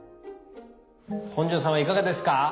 本上さんはいかがですか？